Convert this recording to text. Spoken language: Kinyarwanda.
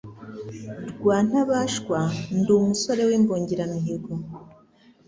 Rwa Ntabashwa ndi umusore w'imbungiramihigo.